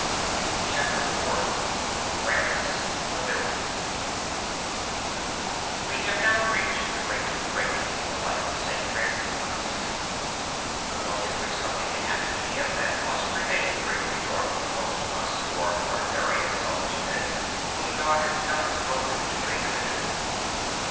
Chapter 117 Francis the Builder WE have now reached the great break in the life of Francis of Assisi; the point at which something happened to him that must remain greatly dark to most of us, who are ordinary and selfish men whom God has not broken to make anew.